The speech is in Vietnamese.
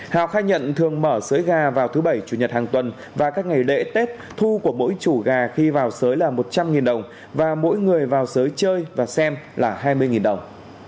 hào khai nhận thường mở sới gà vào thứ bảy chủ nhật hàng tuần và các ngày lễ tết thu của mỗi chủ gà khi vào sới là một trăm linh đồng và mỗi người vào giới chơi và xem là hai mươi đồng